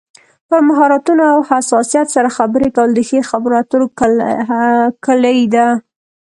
پر مهارتونو او حساسیت سره خبرې کول د ښې خبرې اترو کلي ده.